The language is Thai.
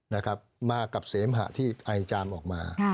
นะครับมากับเสมหะที่ไอจามออกมา